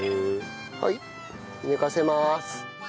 はい寝かせます。